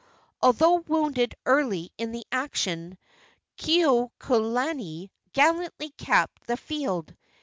Although wounded early in the action, Kekuaokalani gallantly kept the field.